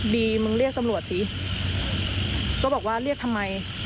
มึงเรียกตำรวจสิก็บอกว่าเรียกทำไม